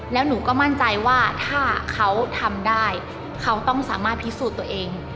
แล้วหนูก็มั่นใจว่าถ้าเขาทำได้เขาต้องสามารถพิสูจน์ตัวเอง